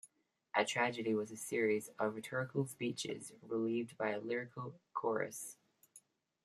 A tragedy was a series of rhetorical speeches relieved by a lyric chorus.